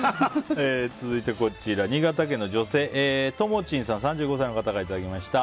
続いて、新潟県の女性３５歳の方からいただきました。